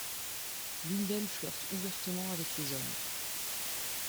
L'une d'elles flirte ouvertement avec les hommes.